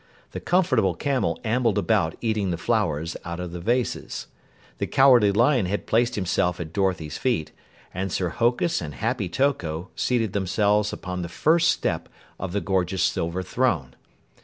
The Comfortable Camel ambled about eating the flowers out of the vases. The Cowardly Lion had placed himself at Dorothy's feet, and Sir Hokus and Happy Toko seated themselves upon the first step of the gorgeous silver throne.